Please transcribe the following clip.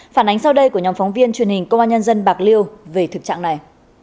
phản ánh sau đây của nhóm phóng viên truyền hình công an nhân dân bạc liêu về thực trạng này